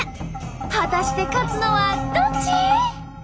果たして勝つのはどっち！？